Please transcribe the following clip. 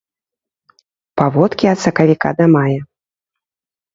Паводкі ад сакавіка да мая.